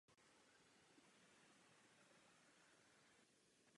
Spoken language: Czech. Je to velká a důležitá země s problematickou historií.